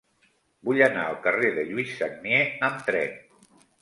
Vull anar al carrer de Lluís Sagnier amb tren.